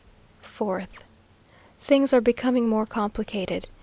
4th. Things are becoming more complicated.